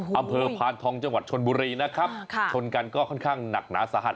ความเพิ่มพานทองจังหวัดชนบุรีนะครับค่ะชนกันก็ค่อนข้างหนักหนาสะหัส